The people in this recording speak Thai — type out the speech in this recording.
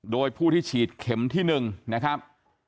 โดยผู้ที่ฉีดเข็มที่๑นะครับ